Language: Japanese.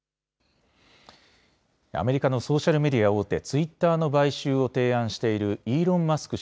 アメリカのソーシャルメディア大手ツイッターの買収を提案しているイーロン・マスク